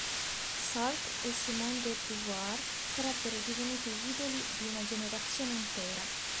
Sartre e Simone de Beauvoir sarebbero divenuti gli idoli di una generazione intera.